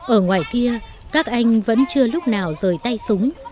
ở ngoài kia các anh vẫn chưa lúc nào rời tay súng